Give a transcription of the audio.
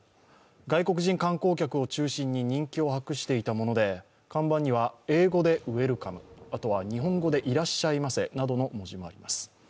外国人観光客を中心に人気を博していたもので看板には、英語でウェルカム、あとは日本語でいらっしゃいませなどの文字があります。